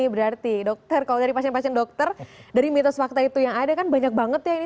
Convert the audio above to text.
berarti dokter kalau dari pasien pasien dokter dari mitos fakta itu yang ada kan banyak banget ya ini